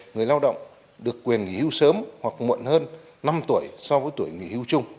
người lao động được quyền nghỉ hưu sớm hoặc muộn hơn năm tuổi so với tuổi nghỉ hưu chung